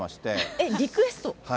えっ？リクエスト？